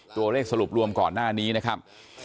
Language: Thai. สรุปรวมก่อนหน้านี้นะครับ